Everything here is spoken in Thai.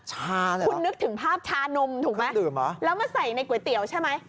ชาใช่ไหมครับคุณนึกถึงภาพชานมถูกไหมครับแล้วมาใส่ในก๋วยเตี๋ยวใช่ไหม